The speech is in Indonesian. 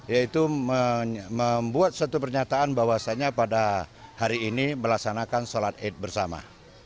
yaitu membuat satu pernyataan bahwasannya pada hari ini melaksanakan sholat id bersama